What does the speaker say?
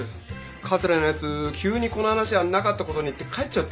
桂のやつ急に「この話はなかったことに」って帰っちゃって。